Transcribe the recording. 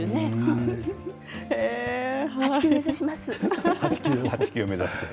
８級を目指します。